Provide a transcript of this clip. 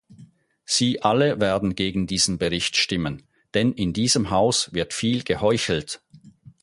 Sie alle werden gegen diesen Bericht stimmen, denn in diesem Haus wird viel geheuchelt.